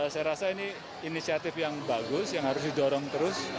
saya rasa ini inisiatif yang bagus yang harus didorong terus